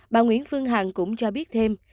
bà nguyễn phương hằng cũng cho biết thêm